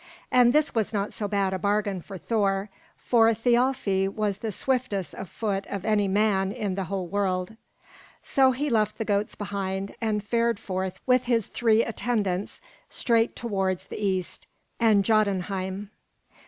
And this was not so bad a bargain for Thor, for Thialfi was the swiftest of foot of any man in the whole world. So he left the goats behind, and fared forth with his three attendants straight towards the east and Jotunheim.